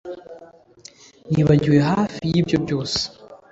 Nibagiwe hafi yibyo byose